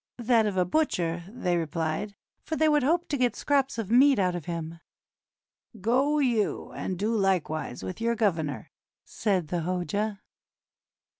"That of a butcher," they replied, "for they would hope to get scraps of meat out of him." " Go you and do like wise with your governor," said the Hoja.